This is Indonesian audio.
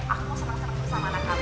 aku mau seneng seneng bersama anak kamu